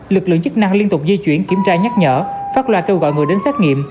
lực lượng chức năng liên tục di chuyển kiểm tra nhắc nhở phát loa kêu gọi người đến xét nghiệm